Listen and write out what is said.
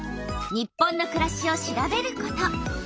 「日本のくらし」を調べること。